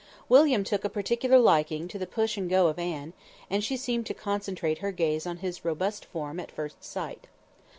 William took a particular liking to the push and go of Anne, and she seemed to concentrate her gaze on his robust form at first sight.